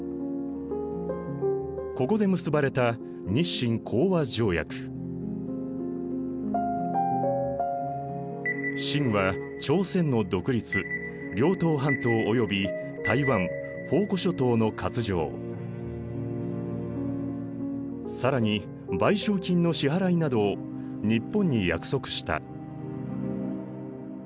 ここで結ばれた清は朝鮮の独立遼東半島および台湾澎湖諸島の割譲更に賠償金の支払いなどを日本に約束した。